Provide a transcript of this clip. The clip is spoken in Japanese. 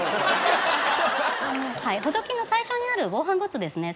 補助金の対象になる防犯グッズですね。